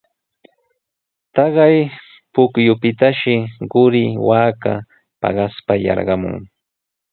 Taqay pukyupitashi quri waaka paqaspa yarqamun.